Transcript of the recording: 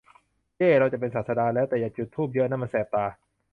เย้ ! เราจะเป็นศาสดาแล้ว ! แต่อย่าจุดธูปเยอะนะ มันแสบตา